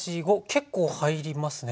結構入りますね。